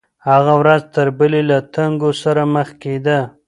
هغه ورځ تر بلې له تنګو سره مخ کېده.